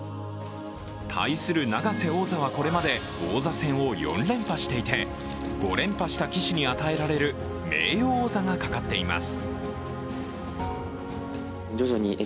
対する永瀬王座はこれまで、王座戦を４連覇していて５連覇した棋士に与えられる名誉王座がかかっています。